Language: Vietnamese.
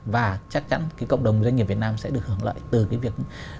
và chắc chắn cái cộng đồng doanh nghiệp việt nam sẽ được hưởng lợi từ cái việc